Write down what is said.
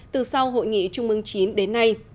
từ sau hội nghị trung ương chín đến nay